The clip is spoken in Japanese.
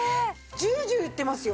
ジュージューいってますよ。